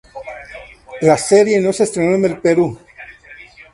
La serie no se estrenó en el Perú.